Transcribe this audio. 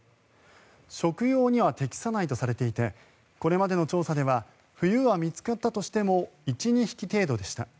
食用には適さないとされていてこれまでの調査では冬は見つかったとしても１２匹程度でした。